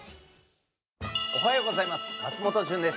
おはようございます。